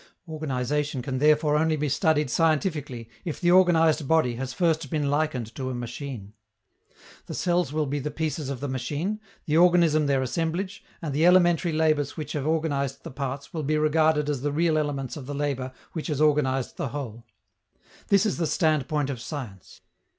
Organization can therefore only be studied scientifically if the organized body has first been likened to a machine. The cells will be the pieces of the machine, the organism their assemblage, and the elementary labors which have organized the parts will be regarded as the real elements of the labor which has organized the whole. This is the standpoint of science.